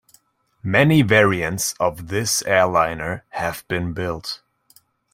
Many variants of this airliner have been built.